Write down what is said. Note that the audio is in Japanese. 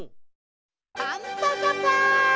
パンパカパン！